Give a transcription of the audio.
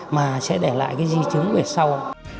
mà sẽ để lại cái di chứng về sau